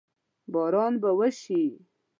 باران به وشي؟